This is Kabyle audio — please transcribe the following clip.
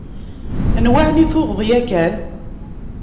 Anwa εni tuɣeḍ yakan?